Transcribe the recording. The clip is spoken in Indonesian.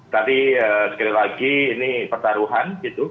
tadi eee sekali lagi ini pertaruhan gitu